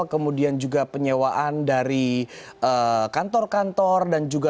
kemudian juga penyewaan dari kantor kantor